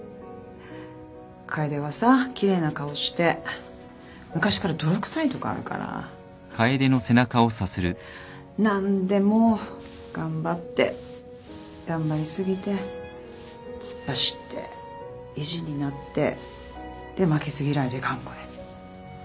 楓はさ奇麗な顔して昔から泥くさいとこあるから何でも頑張って頑張り過ぎて突っ走って意地になってで負けず嫌いで頑固で。